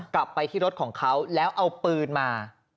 กลับไปที่รถของเขาแล้วเอาปืนมา